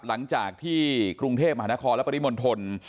หลังจากที่กรุงเทพมหานครและปริมณฑล